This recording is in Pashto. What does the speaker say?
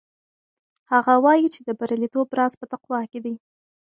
هغه وایي چې د بریالیتوب راز په تقوا کې دی.